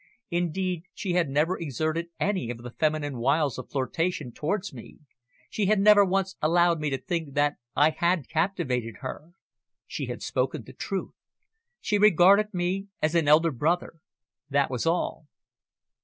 Indeed, she had never exerted any of the feminine wiles of flirtation towards me; she had never once allowed me to think that I had captivated her. She had spoken the truth. She regarded me as an elder brother that was all.